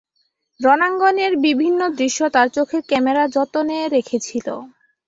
রণাঙ্গনের বিভিন্ন দৃশ্য তার চোখের ক্যামেরা যতনে রেখেছিল।